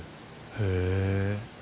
へえ。